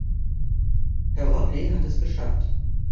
Herr Rothley hat es geschafft.